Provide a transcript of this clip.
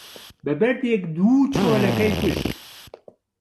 بە بەردێک دوو چۆلەکەی کوشت